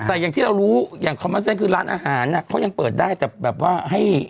แต่อย่างที่เรารู้อย่างคอมมัสเซ็นต์คือร้านอาหารเขายังเปิดได้แต่แบบว่าให้